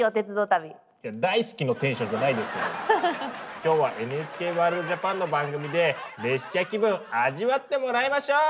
きょうは「ＮＨＫワールドＪＡＰＡＮ」の番組で列車気分味わってもらいましょう！